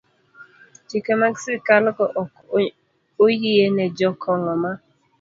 Chike mag sirkalgo ok oyiene jo Kongo ma